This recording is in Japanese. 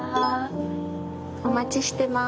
お待ちしてます。